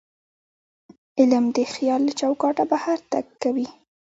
علم د خیال له چوکاټه بهر تګ کوي.